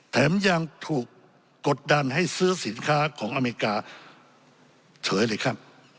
แถมยังถูกกดดันให้ซื้อสินค้าของอเมริกาเฉยเลยครับ